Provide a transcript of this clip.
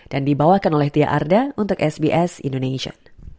dan dibawakan oleh tia arda untuk sbs indonesia